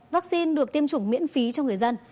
vaccine được tiêm chủng miễn phí cho người dân